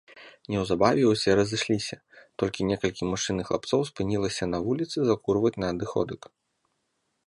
Неўзабаве ўсе разышліся, толькі некалькі мужчын і хлапцоў спынілася на вуліцы закурваць на адыходак.